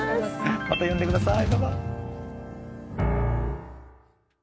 また呼んで下さい。